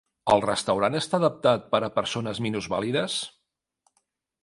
El restaurant està adaptat per a persones minusvàlides?